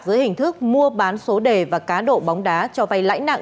giữa hình thức mua bán số đề và cá độ bóng đá cho vai lãi nặng